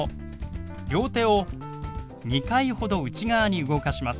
両手を２回ほど内側に動かします。